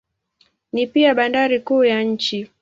Ni pia bandari kuu ya nchi.